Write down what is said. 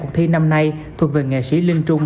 cuộc thi năm nay thuộc về nghệ sĩ linh trung